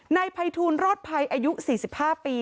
นายภัยทูลรอดภัยอายุ๔๕ปี